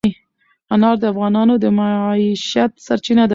انار د افغانانو د معیشت سرچینه ده.